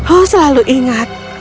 oh selalu ingat